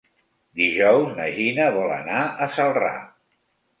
Dijous na Gina vol anar a Celrà.